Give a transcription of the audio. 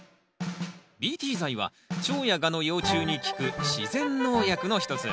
ＢＴ剤はチョウやガの幼虫に効く自然農薬の一つ。